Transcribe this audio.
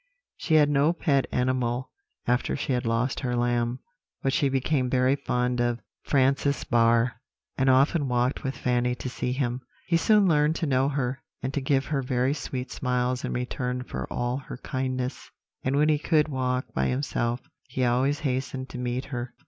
She had no pet animal after she had lost her lamb; but she became very fond of Francis Barr, and often walked with Fanny to see him. He soon learned to know her, and to give her very sweet smiles in return for all her kindness; and when he could walk by himself, he always hastened to meet her.